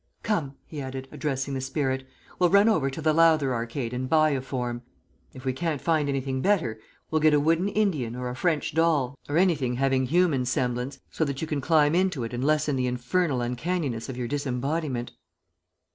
Come," he added, addressing the spirit, "we'll run over to the Lowther Arcade and buy a form. If we can't find anything better we'll get a wooden Indian or a French doll, or anything having human semblance so that you can climb into it and lessen the infernal uncanniness of your disembodiment."